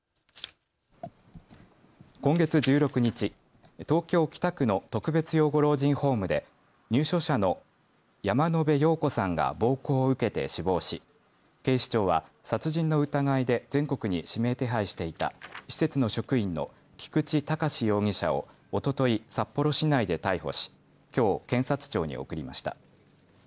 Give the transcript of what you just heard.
今月１６日東京、北区の特別養護老人ホームで入所者の山野邉陽子さんが暴行を受けて死亡し警視庁は殺人の疑いで全国に指名手配していた施設の職員の菊池隆容疑者をおととい、札幌市内で逮捕しきょう、検察庁に送りました。